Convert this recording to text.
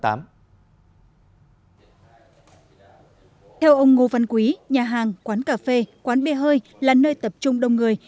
theo ông ngô văn quý nhà hàng quán cà phê quán bia hơi là nơi tập trung đông người